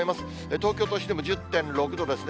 東京都心でも１０．６度ですね。